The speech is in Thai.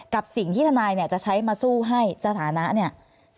กับสิ่งที่ทนายเนี่ยจะใช้มาสู้ให้สถานะเนี่ย